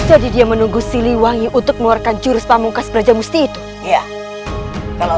oh siliwangi mengeluarkan jurus prata sukma